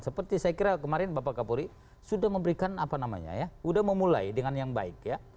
seperti saya kira kemarin bapak kapolri sudah memberikan apa namanya ya sudah memulai dengan yang baik ya